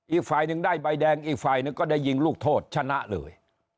อีกฝ่ายหนึ่งได้ใบแดงอีกฝ่ายหนึ่งก็ได้ยิงลูกโทษชนะเลย